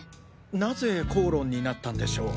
何故口論になったんでしょう？